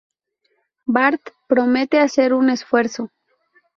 Bart "promete" hacer un esfuerzo.